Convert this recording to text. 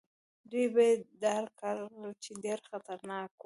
دوی به يې ډار کړل، چې ډېر خطرناک وو.